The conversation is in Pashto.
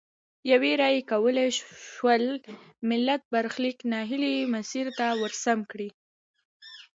یوي رایې کولای سول ملت برخلیک نا هیلي مسیر ته ورسم کړي.